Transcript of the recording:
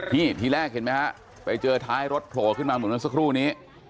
นี่ทีแรกเห็นมั้ยฮะไปเจอท้ายรถโผล่ขึ้นมาหมดนั้นสักครู่นี้